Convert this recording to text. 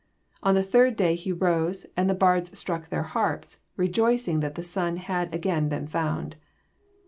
On the third day he rose, and the bards struck their harps, rejoicing that the sun had again been found.